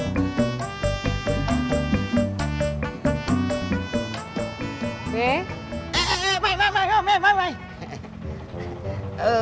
eh eh eh ibu ibu